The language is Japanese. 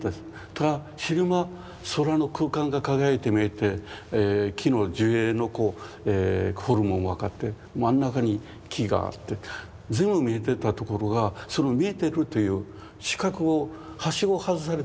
ただ昼間空の空間が輝いて見えて木の樹影のフォルムも分かって真ん中に木があって全部見えてた所がその見えてるという視覚をはしごを外されたみたいに何にもなくなっちゃうわけですね。